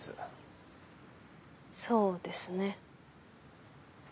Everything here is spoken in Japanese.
そうですね。